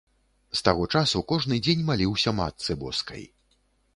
З таго часу кожны дзень маліўся матцы боскай.